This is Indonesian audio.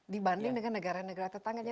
dibanding dengan negara negara tetangganya